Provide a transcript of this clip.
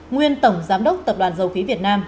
nguyên tổng giám đốc tập đoàn dầu khí việt nam